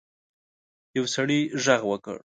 یو سړي غږ وکړ.